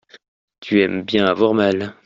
tu aimes bien avoir mal.